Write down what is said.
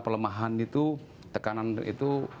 pelemahan itu tekanan itu